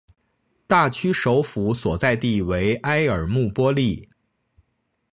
大区首府所在地为埃尔穆波利。